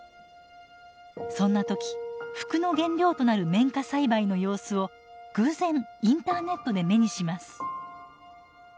そんな時服の原料となる綿花栽培の様子を偶然インターネットで目にします。